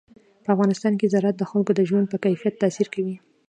په افغانستان کې زراعت د خلکو د ژوند په کیفیت تاثیر کوي.